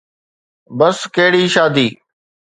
بس ڪهڙي شادي؟